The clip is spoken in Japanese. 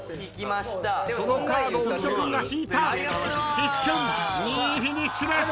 岸君２位フィニッシュです！